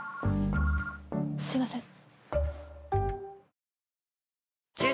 すいません。